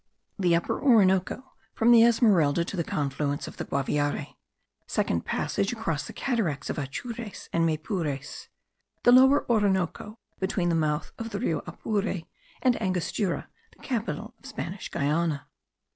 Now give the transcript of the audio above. THE UPPER ORINOCO, FROM THE ESMERALDA TO THE CONFLUENCE OF THE GUAVIARE. SECOND PASSAGE ACROSS THE CATARACTS OF ATURES AND MAYPURES. THE LOWER ORINOCO, BETWEEN THE MOUTH OF THE RIO APURE, AND ANGOSTURA THE CAPITAL OF SPANISH GUIANA.